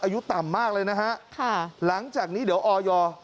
อายุต่ำมากเลยนะฮะค่ะหลังจากนี้เดี๋ยวออย